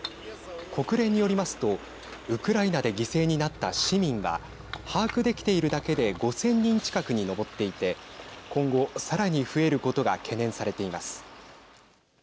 国連によりますとウクライナで犠牲になった市民は把握できているだけで５０００人近くに上っていて今後、さらに増えることが懸念されています。